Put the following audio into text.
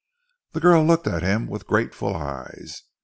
The girl looked at him with grateful eyes.